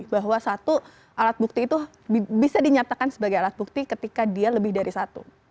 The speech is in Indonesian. bahwa satu alat bukti itu bisa dinyatakan sebagai alat bukti ketika dia lebih dari satu